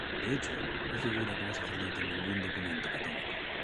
De hecho, no figura como sacerdote en ningún documento católico.